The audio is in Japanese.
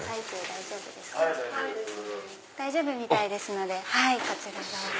大丈夫みたいですのでこちらへどうぞ。